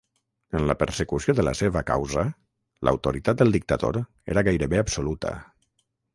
En la persecució de la seva "causa", l'autoritat del dictador era gairebé absoluta.